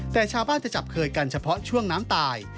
แต่ชาวบ้านจะจับเคยกันเฉพาะช่วงน้ำตาย